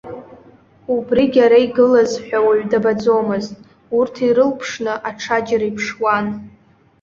Убригь ара игылаз ҳәа уаҩ дабаӡомызт, урҭ ирылԥшны аҽаџьара иԥшуан.